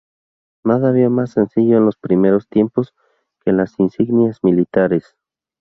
Nada había más sencillo en los primeros tiempos que las insignias militares.